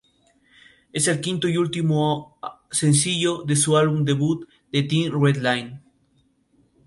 Es el quinto y último sencillo de su álbum debut "The Thin Red Line".